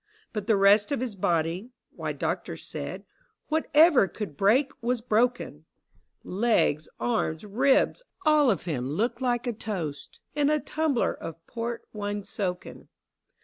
But the rest of his body — why. doctors said, Whatever could break was broken : 88 THE BOYS' BROWNING. Legs, arms, ribs, all of him looked like a toast In a tumbler of port wine soaken.